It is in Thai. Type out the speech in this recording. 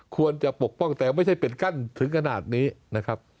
ปกป้องแต่ไม่ใช่เป็นกั้นถึงขนาดนี้นะครับ